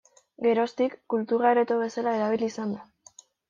Geroztik, kultur areto bezala erabili izan da.